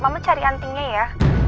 mama cari antingnya ya